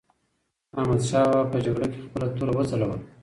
احمدشاه بابا په جګړه کې خپله توره وځلوله.